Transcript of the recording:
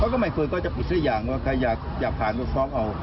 เขาก็ไม่คุยก็จะปิดสิทธิ์อย่างว่าใครอยากผ่านก็ฟ้องเอา